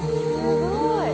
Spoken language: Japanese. すごい。